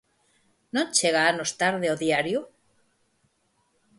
Non chega anos tarde o diario?